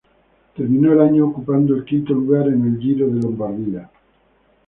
Terminó el año ocupando el quinto lugar en el Giro de Lombardía.